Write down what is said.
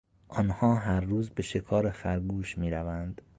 آنها هر روز به شکار خرگوش میروند.